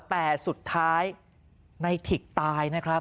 แต่สุดท้ายในถิกตายนะครับ